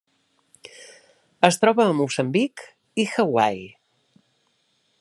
Es troba a Moçambic i Hawaii.